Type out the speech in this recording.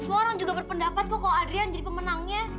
semua orang juga berpendapat kok adrian jadi pemenangnya